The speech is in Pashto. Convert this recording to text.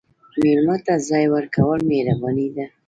مېلمه ته ځای ورکول مهرباني ده.